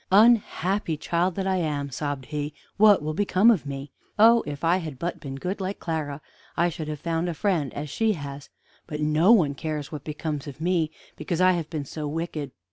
"Unhappy child that I am," sobbed he; "what will become of me? Oh, if I had but been good like Clara, I should have found a friend, as she has; but no one cares what becomes of me, because I have been so wicked.